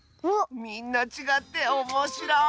みんなちがっておもしろい！